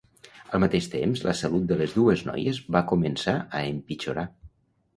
Al mateix temps la salut de les dues noies va començar a empitjorar.